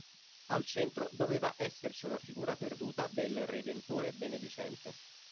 Al centro doveva esserci una figura perduta del "Redentore benedicente".